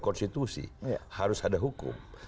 konstitusi harus ada hukum